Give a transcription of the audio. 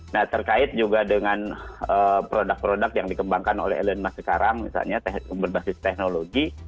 nah terkait juga dengan produk produk yang dikembangkan oleh elon musk sekarang misalnya berbasis teknologi